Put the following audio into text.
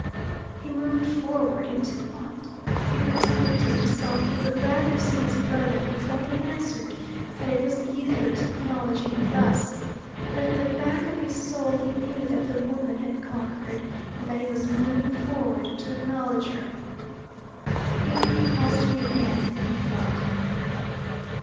He moved forward into what? He pretended to himself he would rather see his brother before he answered; that it was easier to acknowledge him thus. But at the back of his soul he knew that the woman had conquered, and that he was moving forward to acknowledge her. "If he calls me again " he thought.